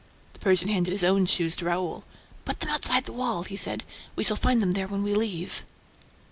The Persian handed his own shoes to Raoul. "Put them outside the wall," he said. "We shall find them there when we leave."